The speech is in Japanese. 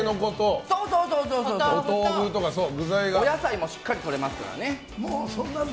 お野菜もしっかりとれますから。